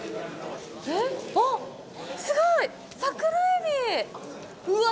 えっ？あっ、すごい！